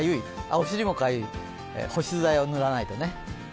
お尻もかゆい、保湿剤を塗らないとね。